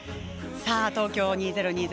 東京２０２０